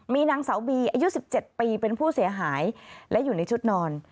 มีนางสาวบีอายุ๑๗ปีเป็นผู้เสียหายและอยู่ในชุดนอน